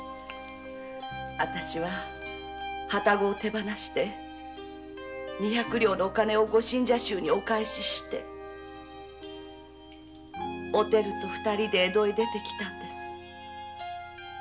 私は旅籠を手放し二百両のお金をご信者衆にお返ししておてると二人で江戸に出てきたんです。